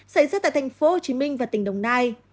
xảy ra tại tp hcm và tp nhi đồng nai